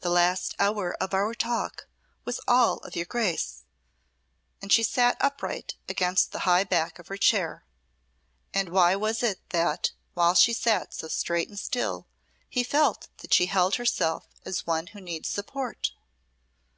The last hour of our talk was all of your Grace;" and she sat upright against the high back of her chair. And why was it that, while she sat so straight and still, he felt that she held herself as one who needs support?